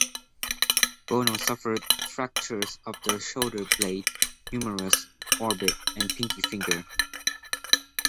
Bono suffered fractures of the shoulder blade, humerus, orbit and pinky finger.